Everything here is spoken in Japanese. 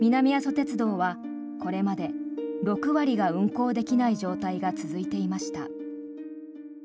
鉄道はこれまで６割が運行できない状態が続いていました。